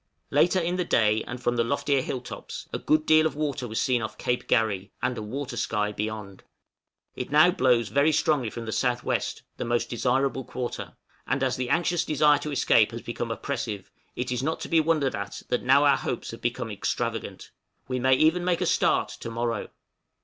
Later in the day and from loftier hill tops, a good deal of water was seen off Cape Garry, and a water sky beyond. It now blows very strongly from the S.W., the most desirable quarter; and as the anxious desire to escape has become oppressive, it is not to be wondered at that now our hopes have become extravagant. We may even make a start to morrow!